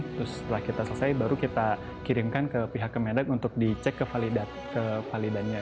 terus setelah kita selesai baru kita kirimkan ke pihak kemedan untuk dicek ke validannya